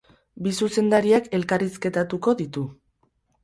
Bi zuzendariak elkarrizketatuko ditu.